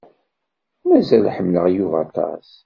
Mazal ḥemmleɣ Yuba aṭas.